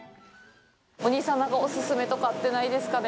お兄様のお勧めとかってないですかね。